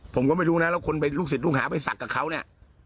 ผมก็ไม่รู้นะแล้วคนไปลูกศิษย์ลูกหาไปศักดิ์กับเขาเนี่ย